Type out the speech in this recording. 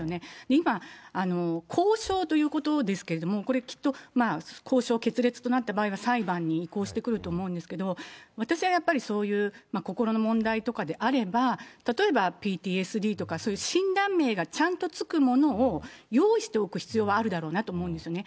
今、交渉ということですけども、これ、きっと交渉決裂となった場合は裁判に移行してくると思うんですけど、私はやっぱりそういう心の問題とかであれば、例えばＰＴＳＤとか、そういう診断名がちゃんと付くものを用意しておく必要はあるだろうなと思うんですね。